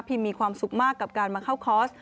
มีความสุขมากกับการมาเข้าคอร์ส